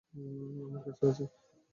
আমার কাছে আছে।